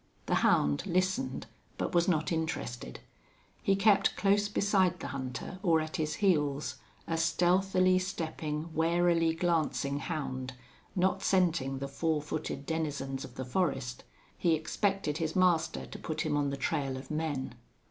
The hound listened, but was not interested. He kept close beside the hunter or at his heels, a stealthily stepping, warily glancing hound, not scenting the four footed denizens of the forest. He expected his master to put him on the trail of men.